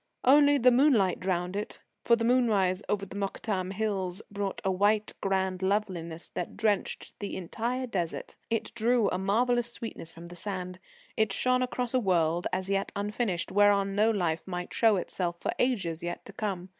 Only the moonlight drowned it. For the moonrise over the Mokattam Hills brought a white, grand loveliness that drenched the entire Desert. It drew a marvellous sweetness from the sand. It shone across a world as yet unfinished, whereon no life might show itself for ages yet to come.